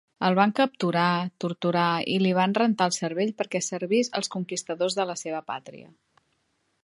El van capturar, torturar i li van rentar el cervell perquè servís els conquistadors de la seva pàtria.